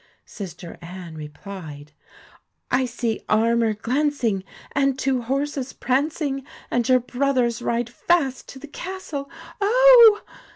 Sister Anne replied :' I see armour glancing, and two horses prancing, and your brothers ride fast to the castle, oh